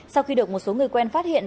sau khi được một số người quen phát hiện